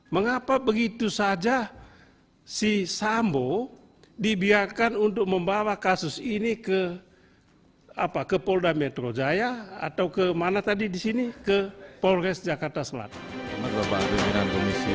mengapa begitu saja si sambo dibiarkan untuk membawa kasus ini ke polda metro jaya atau ke polres jakarta selatan